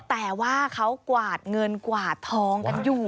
แต่ว่าเขากวาดเงินกวาดทองกันอยู่